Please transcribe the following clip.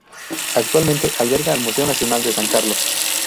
Actualmente alberga al Museo Nacional de San Carlos.